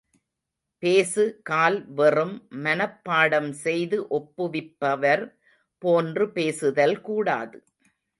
பேசு கால் வெறும் மனப்பாடம் செய்து ஒப்புவிப்பவர் போன்று பேசுதல் கூடாது.